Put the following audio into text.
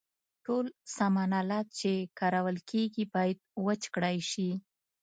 ټول سامان آلات چې کارول کیږي باید وچ کړای شي.